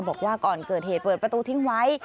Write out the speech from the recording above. บอกว่าก่อนเกิดเหตุเปิดประตูทิ้งไว้